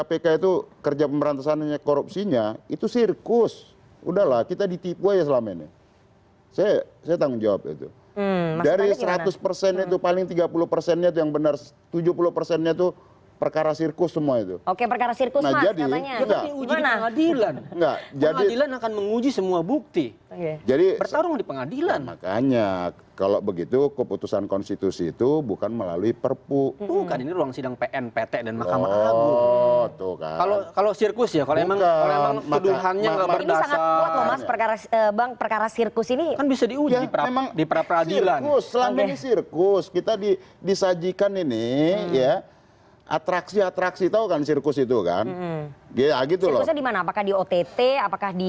pertimbangan ini setelah melihat besarnya gelombang demonstrasi dan penolakan revisi undang undang kpk